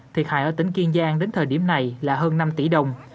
thiệt hại ở tỉnh kiên giang đến thời điểm này là hơn năm tỷ đồng